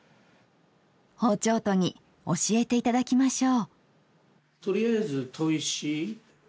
包丁研ぎ教えて頂きましょう。